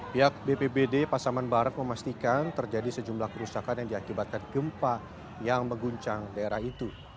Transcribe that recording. pihak bpbd pasaman barat memastikan terjadi sejumlah kerusakan yang diakibatkan gempa yang mengguncang daerah itu